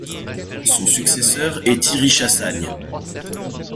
Son successeur est Thierry Chassagne.